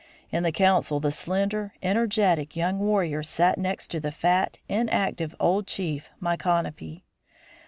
In the council the slender, energetic, young warrior sat next to the fat, inactive old chief, Micanopy.